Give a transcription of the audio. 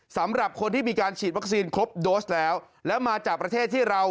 สำหรับคนที่มีการฉีดวัคซีนครบโดสแล้วแล้วมาจากประเทศที่เรา